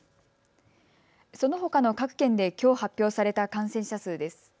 そのほかの各県できょう発表された感染者数です。